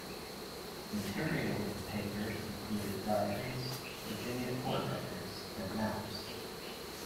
Material in the papers included diaries, Virginia court records, and maps.